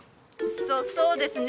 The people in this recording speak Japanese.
そそうですね。